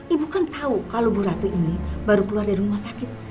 ibu kan tahu kalau bu ratu ini baru keluar dari rumah sakit